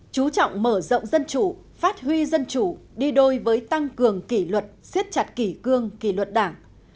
chú trọng mở rộng dân chủ phát huy dân chủ đi đôi với tăng cường kỷ luật siết chặt kỷ cương kỷ luật đảng